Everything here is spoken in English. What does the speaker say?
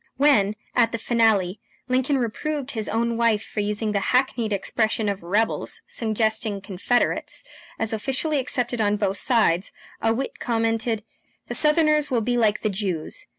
When, at the finale, Lincoln reproved his own wife for using the hackneyed expression of rebels, suggesting Confederates, as officially accepted on both sides, a wit commented: "The Southerners will be like the Jews.